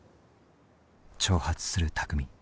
挑発する巧。